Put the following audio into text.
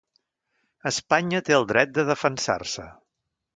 Espanya té el dret de defensar-se